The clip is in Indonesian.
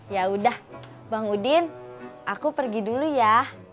yaudah bang udin aku pergi dulu ya